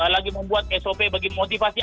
lagi membuat sop bagi motivasi